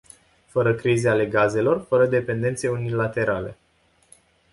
Fără crize ale gazelor, fără dependențe unilaterale.